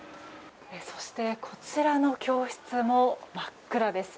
そしてこちらの教室も真っ暗です。